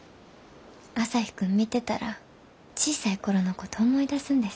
朝陽君見てたら小さい頃のこと思い出すんです。